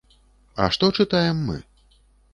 А што чытаем мы?